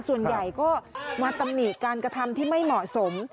ส่วนใหญ่ก็มาตำหนิการกระทำที่ไม่เหมาะสม